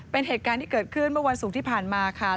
เป็นเหตุการณ์ที่เกิดขึ้นเมื่อวันศุกร์ที่ผ่านมาค่ะ